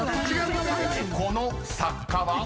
［この作家は？］